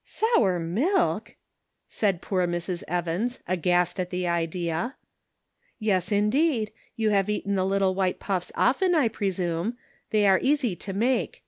" Sour milk !" said poor Mrs. Evans, aghast at the idea. " Yes, indeed ; you have eaten the little white puffs often, I presume ; they are easy to make.